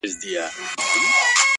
o فکر مه کوه، چي دا وړۍ دي شړۍ سي!